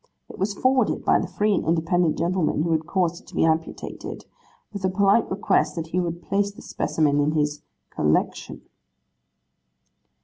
It was forwarded by the free and independent gentleman who had caused it to be amputated, with a polite request that he would place the specimen in his 'collection.